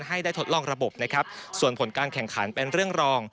ให้ได้ทดลองระบบนะครับส่วนผลการแข่งขันเป็นเรื่องรอง